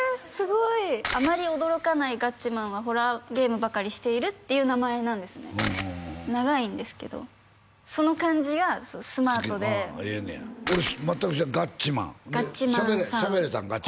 すごいあまり驚かないガッチマンはホラーゲームばかりしているていう名前なんですね長いんですけどその感じがスマートでええのや俺全く知らないガッチマン喋れたん？